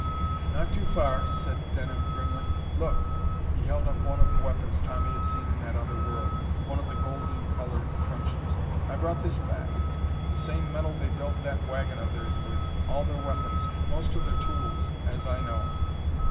"Not too far," said Denham grimly. "Look!" He held up one of the weapons Tommy had seen in that other world, one of the golden colored truncheons. "I brought this back. The same metal they built that wagon of theirs with. All their weapons. Most of their tools as I know.